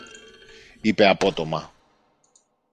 είπε απότομα.